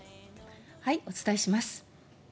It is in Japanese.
お伝えします。